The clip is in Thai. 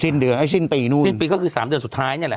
ไอ้สิ้นปีนู่นสิ้นปีก็คือ๓เดือนสุดท้ายนี่แหละ